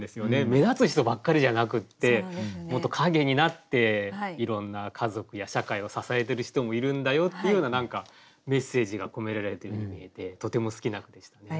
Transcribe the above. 目立つ人ばっかりじゃなくってもっと陰になっていろんな家族や社会を支えてる人もいるんだよっていうような何かメッセージが込められてるように見えてとても好きな句でしたね。